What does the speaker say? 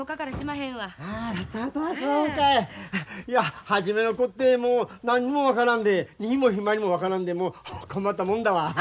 いや初めのこってもう何も分からんで右も左も分からんでもう困ったもんだわ。